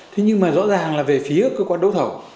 thế nhưng mà rõ ràng là về phía cơ quan đấu thầu